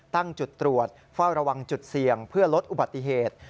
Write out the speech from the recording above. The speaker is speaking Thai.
ตั้งจุดตรวจเฝ้าระวังจุดเสี่ยงเพื่อลดอุบัติเหตุ